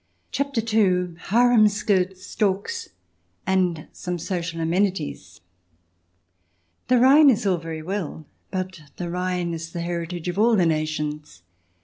CHAPTER II HAREM SKIRTS, STORKS, AND SOME SOCIAL AMENITIES The Rhine is all very well, but the Rhine is the heritage of all the nations.